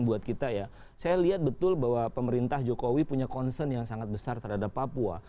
saya lihat betul bahwa pemerintah jokowi punya concern yang sangat besar terhadap papua